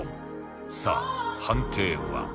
さあ判定は